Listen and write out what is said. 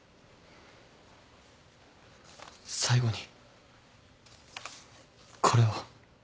最後にこれを。